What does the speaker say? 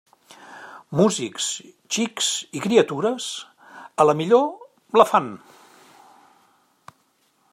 Músics, xics i criatures, a la millor la fan.